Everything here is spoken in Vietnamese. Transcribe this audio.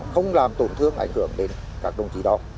không làm tổn thương ảnh hưởng đến các đồng chí đó